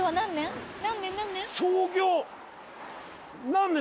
何年？